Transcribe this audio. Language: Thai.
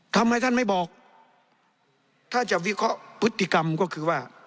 ทำไมท่านไม่บอกถ้าจะวิเคราะห์พฤติกรรมก็คือว่า